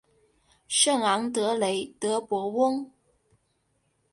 圣昂德雷德博翁。